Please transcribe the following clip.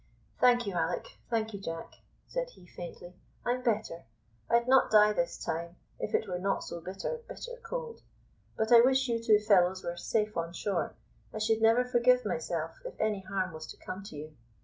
"Thank you, Alick; thank you, Jack," said he faintly; "I'm better. I'd not die this time, if it were not so bitter, bitter cold; but I wish you two fellows were safe on shore. I should never forgive myself if any harm was to come to you."